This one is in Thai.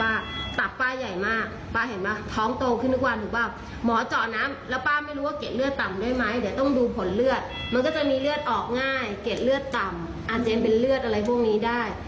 อาจจะเป็นเลือดออกง่ายเกร็ดเลือดต่ำอาจจะเป็นเลือดอะไรพวกนี้ได้